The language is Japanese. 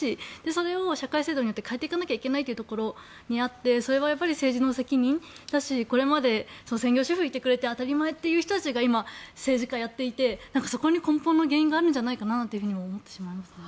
それを社会制度によって変えていかなきゃいけないところにあってそれは政治の責任だしこれまで専業主婦がいてくれて当たり前という人たちが今、政治家をやっていてそこに根本的な原因があるんじゃないかなと思ってしまいます。